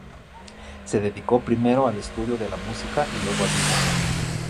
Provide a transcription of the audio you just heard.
Se dedicó primero al estudio de la música y luego al dibujo.